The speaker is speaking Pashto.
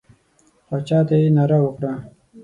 باچا ته یې ناره وکړه.